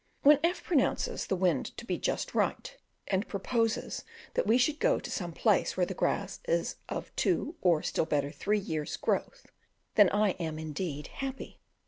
But when F pronounces the wind to be just right, and proposes that we should go to some place where the grass is of two, or, still better, three years' growth, then I am indeed happy.